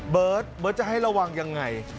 เบิร์ตเบิร์ตจะให้ระวังยังไง